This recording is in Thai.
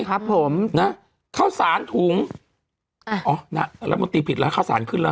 ครับผมนะข้าวสารถุงอ่าอ๋อนะรัฐมนตรีผิดแล้วข้าวสารขึ้นแล้ว